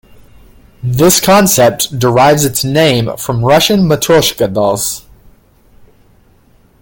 This concept derives its name from Russian Matrioshka dolls.